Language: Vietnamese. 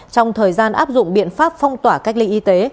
trong thời gian áp dụng biện pháp phong tỏa cách ly y tế